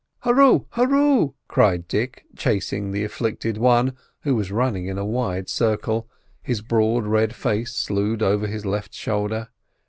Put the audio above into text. "Hurroo! Hurroo!" cried Dick, chasing the afflicted one, who was running in a wide circle, his broad red face slewed over his left shoulder.